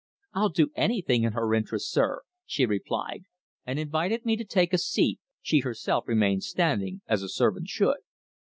"I'll do anything in her interests, sir," she replied, and invited me to take a seat, she herself remained standing, as a servant should.